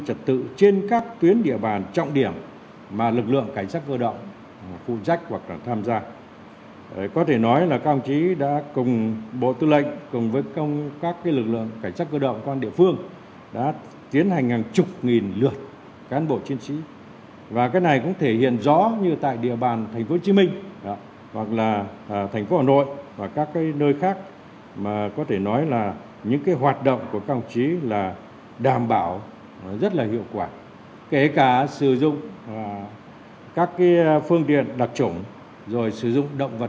thứ trưởng lê cứu vương yêu cầu lượng cảnh sát cơ động luôn giữ vững và phát huy cao hơn nữa